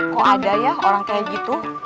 kok ada ya orang kayak gitu